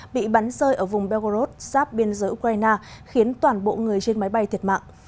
bị bắn rơi ở vùng belgorod sáp biên giới ukraine khiến toàn bộ người trên máy bay thiệt mạng